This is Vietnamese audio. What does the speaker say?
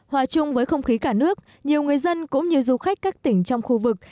hòa chung với không khí cả nước nhiều người dân cũng như du khách các tỉnh trong khu vực